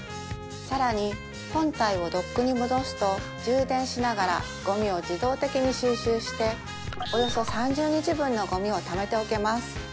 さらに本体をドックに戻すと充電しながらゴミを自動的に収集しておよそ３０日分のゴミをためておけます